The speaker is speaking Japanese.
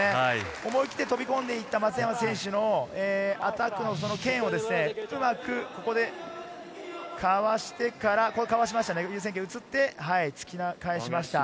思い切って飛び込んでいった松山選手のアタックの剣をうまくここでかわしてから、優先権移って、突き返しました。